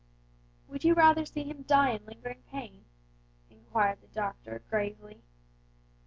"Would you rather see him die in lingering pain?" enquired the doctor, gravely.